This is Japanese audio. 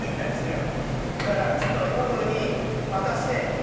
だからちょっとノブに渡して。